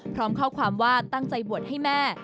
พร้อมข้อความว่าตั้งใจบวชให้แม่